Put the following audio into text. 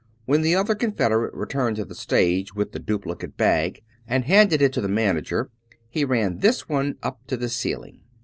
When the other confederate returned to the stage with the duplicate bag and handed it to the manager he rail this one up to the ceiling.